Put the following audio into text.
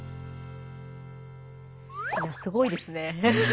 いやすごいですね。